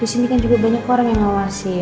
di sini kan juga banyak orang yang ngawasin